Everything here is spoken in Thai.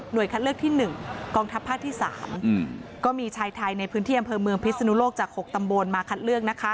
หน่วยคัดเลือกที่หนึ่งกองทับผ้าที่สามก็มีชายไทยในพื้นเที่ยงอำเภอเมืองพิศนุโลกจากหกตำบลมาคัดเลือกนะคะ